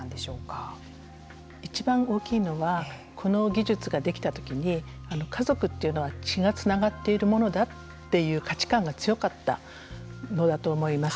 いちばん大きいのはこの技術ができた時に家族というのは血がつながっているものだという価値観が強かったのだと思います。